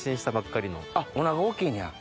あっおなか大きいねや。